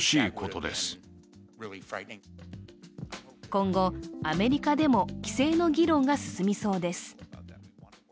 今後アメリカでも規制の議論が進みそうです。